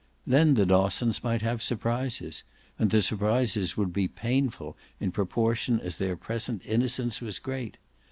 Then the Dossons might have surprises, and the surprises would be painful in proportion as their present innocence was great.